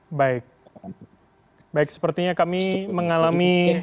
hai baik baik sepertinya kami mengalami